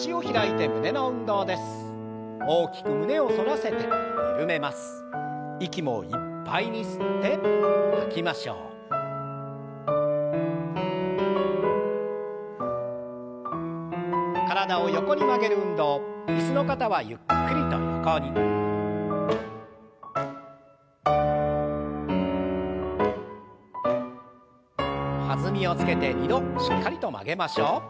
弾みをつけて２度しっかりと曲げましょう。